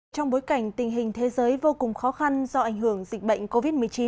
trong bối cảnh tình hình thế giới vô cùng khó khăn do ảnh hưởng dịch bệnh covid một mươi chín